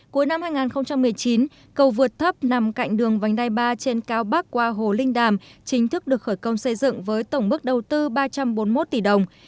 cuối năm hai nghìn một mươi chín cầu vượt thấp nằm cạnh đường vành đai ba trên cao bắc qua hồ linh đàm chính thức được khởi công xây dựng với tổng mức đầu tư ba trăm bốn mươi một tỷ đồng